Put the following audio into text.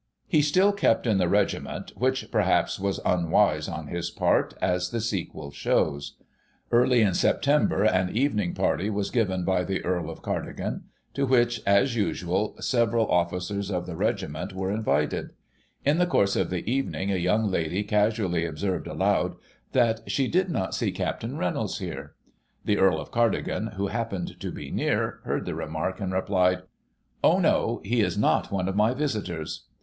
He still kept in the regiment, which, perhaps, was unwise on his part, as the sequel shows. Early in September, an evening party was given by the Earl of Cardigan, to which, Digiti ized by Google i84o] THE "BLACK BOTTLE" CASE. 145 as usual, several officers of the regiment were invited. In the course of the evening, a young lady casually observed, aloud, that she " did not see Capt. Reynolds there." The Earl of Cardigan, who happened to be near, heard the remark, and replied, " Oh, no ; he js not one of my visitors."